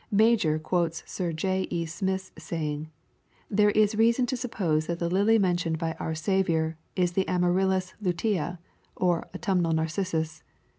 Major quotes Sir J. E. Smith's saying, " There is reason to suppose that the lily mentioned by our Saviour, is the Amaryllis Lutea or Au tumnal Narcissus.